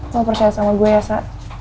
mau percaya sama gue ya sa